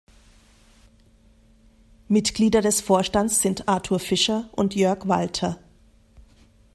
Mitglieder des Vorstands sind Artur Fischer und Jörg Walter.